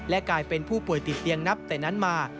กลายเป็นผู้ป่วยติดเตียงนับแต่นั้นมา